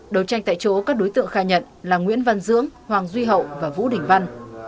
đầu tranh tại chỗ các đối tượng khai nhận là nguyễn văn dưỡng hoàng duy hậu và vũ đình văn